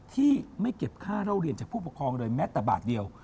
ที่ไม่เก็บค่าเล่าเรียนจากผู้ปกครองเลยแม้แต่บาทเดียว